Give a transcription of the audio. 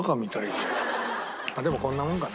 でもこんなもんかな？